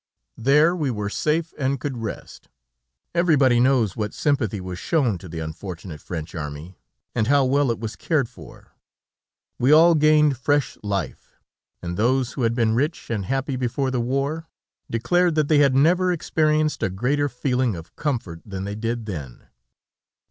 There we were safe and could rest. Everybody knows what sympathy was shown to the unfortunate French army, and how well it was cared for. We all gained fresh life, and those who had been rich and happy before the war, declared that they had never experienced a greater feeling of comfort than they did then.